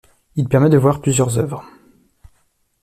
Il permet de voir plusieurs œuvres.